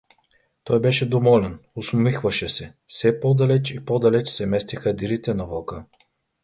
Той беше доволен, усмихваше се: все по-далеч и по-далеч се местеха дирите на вълка.